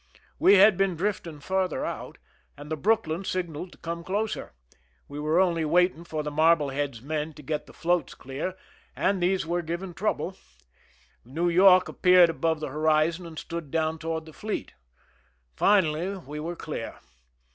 We had been drifting farther out, and the Brooklyn signaled to come closer. We were only waiting for the MarUeheacPs men to get the floats clear, and these were giving trouble. The New York appeared above the horizon and stood down toward the fleet. Finally we were clear.